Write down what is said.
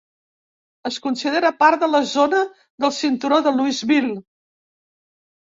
Es considera part de la zona del cinturó de Louisville.